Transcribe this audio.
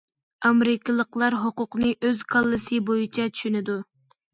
ئامېرىكىلىقلار ھوقۇقنى ئۆز كاللىسى بويىچە چۈشىنىدۇ.